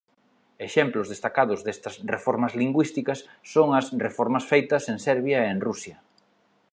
Exemplos destacados destas reformas lingüísticas son as reformas feitas en Serbia e en Rusia.